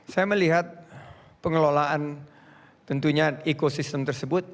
saya melihat pengelolaan tentunya ekosistem tersebut